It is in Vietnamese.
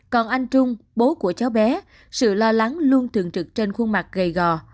còn anh trung bố của cháu bé sự lo lắng luôn thường trực trên khuôn mặt gây gò